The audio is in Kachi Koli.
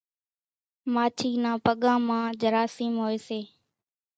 ماڇِي نان پڳان مان جراثيم هوئيَ سي۔